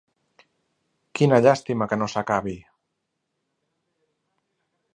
Quina llàstima que no s'acabi!